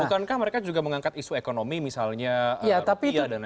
bukankah mereka juga mengangkat isu ekonomi misalnya rupiah dan lain lain